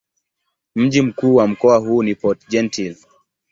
Mji mkuu wa mkoa huu ni Port-Gentil.